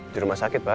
di rumah sakit pak